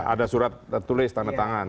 ada surat tertulis tanda tangan